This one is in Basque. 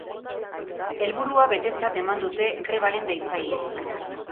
Helburua betetzat eman dute grebaren deitzaileek.